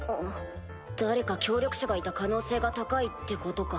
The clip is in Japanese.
誰か協力者がいた可能性が高いってことか。